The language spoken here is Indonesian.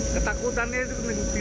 ketakutannya itu tidak bisa disembunyikan